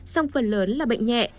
song phần lớn là bệnh nhẹ